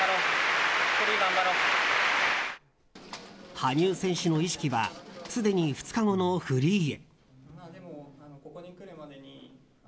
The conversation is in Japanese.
羽生選手の意識はすでに２日後のフリーへ。